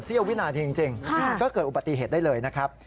วินาทีจริงก็เกิดอุบัติเหตุได้เลยนะครับ